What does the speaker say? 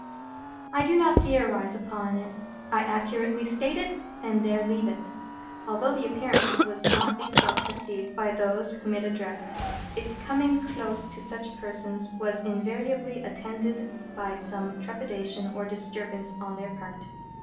I do not theorise upon it; I accurately state it, and there leave it. Although the Appearance was not itself perceived by those whom it addressed, its coming close to such persons was invariably attended by some trepidation or disturbance on their part.